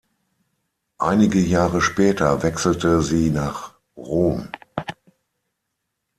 Einige Jahre später wechselte sie nach Rom.